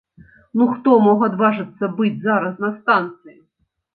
Ну хто мог адважыцца быць зараз на станцыі?